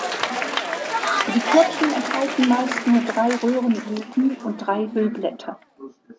Die Körbchen enthalten meist nur drei Röhrenblüten und drei Hüllblätter.